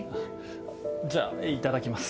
じゃあいただきます。